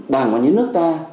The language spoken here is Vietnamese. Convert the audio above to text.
đảng và nhân nước ta